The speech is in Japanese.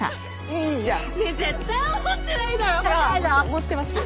思ってますよ。